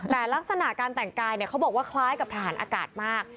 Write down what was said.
แต่ลักษณะการแต่งกายเขาบอกว่าคล้ายกับทหารอากาศมาก